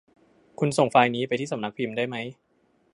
คุณส่งไฟล์นี้ไปที่สำนักพิมพ์ได้มั้ย